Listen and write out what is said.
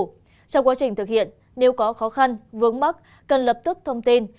trong quá trình thực hiện nếu có khó khăn vướng mắt cần lập tức thông tin